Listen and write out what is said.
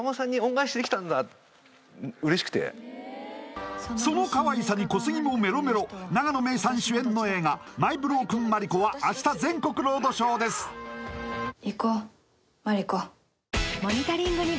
嬉しくてそのかわいさに小杉もメロメロ永野芽郁さん主演の映画「マイ・ブロークン・マリコ」は明日全国ロードショーですいこうマリコモニタリングに